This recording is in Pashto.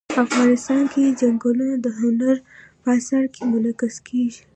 افغانستان کې چنګلونه د هنر په اثار کې منعکس کېږي.